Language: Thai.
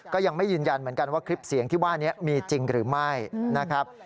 ก็ยังไม่ยืนยันเหมือนกันว่าคลิปเสียงที่ว่านี้มีจริงหรือไม่นะครับ